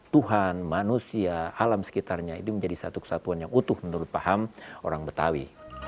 tuhan manusia alam sekitarnya itu menjadi satu kesatuan yang utuh menurut paham orang betawi